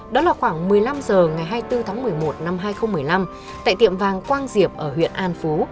đó là khoảng một mươi năm h ngày hai mươi bốn tháng một mươi một năm hai nghìn một mươi năm tại tiệm vàng quang diệp ở huyện an phú